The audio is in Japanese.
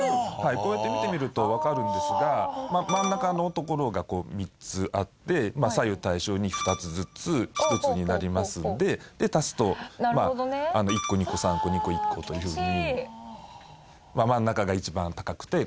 こうやって見てみるとわかるんですが真ん中の所が３つあって左右対称に２つずつ１つになりますんで足すと１個２個３個２個１個というふうに。